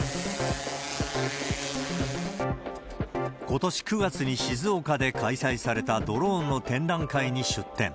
ことし９月に静岡で開催されたドローンの展覧会に出展。